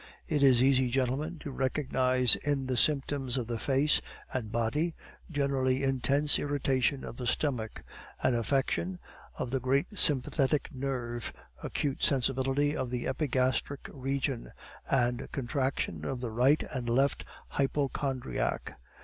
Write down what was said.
It is easy, gentlemen, to recognize in the symptoms of the face and body generally intense irritation of the stomach, an affection of the great sympathetic nerve, acute sensibility of the epigastric region, and contraction of the right and left hypochondriac.